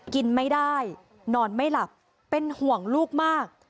กินไม่ได้นอนไม่หลับเป็นห่วงลูกมาก